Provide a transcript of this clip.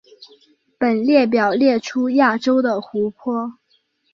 本列表列出亚洲的湖泊。